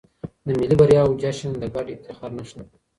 د ملي بریاوو جشن د ګډ افتخار نښه ده.